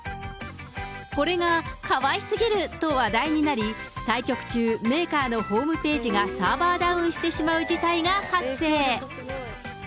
これが、かわいすぎると話題になり、対局中、メーカーのホームページがサーバーダウンしてしまう事態が発生。